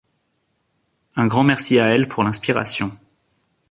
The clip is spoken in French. Un grand merci à elle pour l’inspiration.